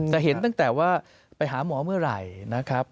เห็นตั้งแต่ว่าไปหาหมอเมื่อไหร่นะครับ